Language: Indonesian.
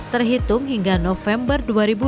terhitung hingga november dua ribu dua puluh